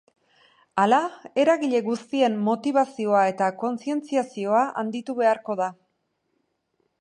Hala, eragile guztien motibazioa eta kontzientziazioa handitu beharko da.